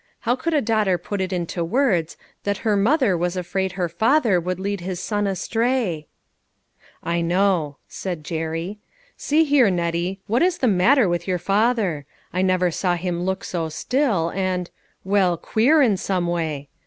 How could a daughter put it into words that her mother was afraid her father would lead his son astray ?" I know," said Jerry. " See here, Nettie, what is the matter with your father? I never saw him look so still, and well, queer, in some way.